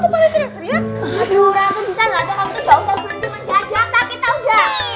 aduh aku bisa gak tau kamu tuh jauh dari beruntungan jajak sakit tau gak